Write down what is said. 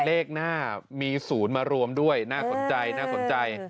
เลขหน้ามีศูนย์มารวมด้วยน่าสนใจ